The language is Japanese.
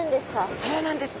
そうなんですね。